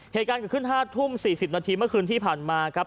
เหตุการณ์เกิดขึ้น๕ทุ่ม๔๐นาทีเมื่อคืนที่ผ่านมาครับ